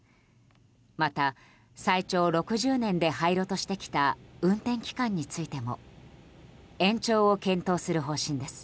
また、最長６０年で廃炉としてきた運転期間についても延長を検討する方針です。